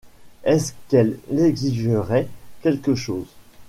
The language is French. Est-ce qu'elle exigerait quelque chose ?